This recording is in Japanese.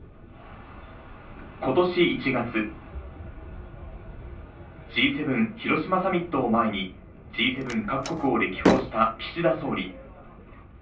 今年１月、Ｇ７広島サミットを前に、Ｇ７各国を歴訪した岸田総理。